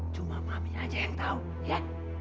cuma maminya aja yang tahu ya